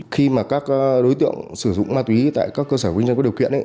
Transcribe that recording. khi mà các đối tượng sử dụng ma túy tại các cơ sở kinh doanh có điều kiện